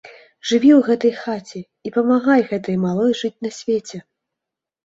Жыві ў гэтай хаце і памагай гэтай малой жыць на свеце.